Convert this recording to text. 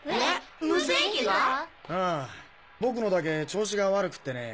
ああ僕のだけ調子が悪くってね。